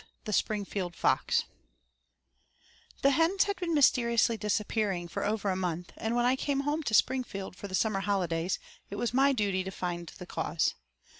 THE SPRINGFIELD FOX I THE HENS had been mysteriously disappearing for over a month; and when I came home to Springfield for the summer holidays it was my duty to find the cause.